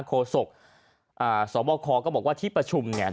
โศกสบคก็บอกว่าที่ประชุมเนี่ย